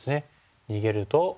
逃げると。